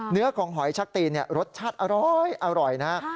เนื้อของหอยชักตีนรสชาติอร้อยนะฮะ